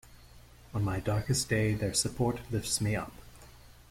On my darkest day their support lifts me up.